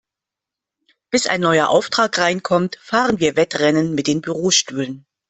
Bis ein neuer Auftrag reinkommt, fahren wir Wettrennen mit den Bürostühlen.